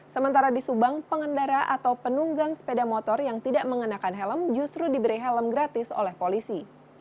sementara di subang pengendara atau penunggang sepeda motor yang tidak mengenakan helm justru diberi helm gratis oleh polisi